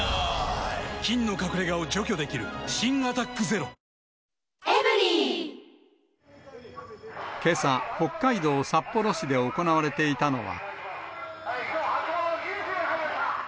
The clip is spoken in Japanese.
菌の隠れ家を除去できる新「アタックＺＥＲＯ」けさ、北海道札幌市で行われていたのは。